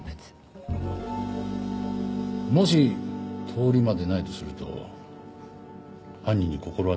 もし通り魔でないとすると犯人に心当たりは？